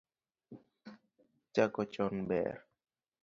Chako chon ber